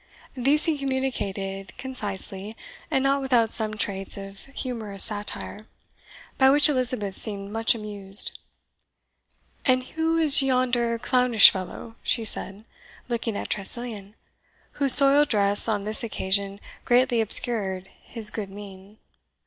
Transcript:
These he communicated concisely, and not without some traits of humorous satire, by which Elizabeth seemed much amused. "And who is yonder clownish fellow?" she said, looking at Tressilian, whose soiled dress on this occasion greatly obscured his good mien.